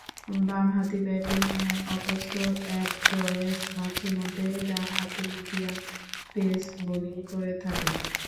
বামহাতি ব্যাটিংয়ে অভ্যস্ত এড জয়েস মাঝে-মধ্যে ডানহাতে মিডিয়াম পেস বোলিং করে থাকেন।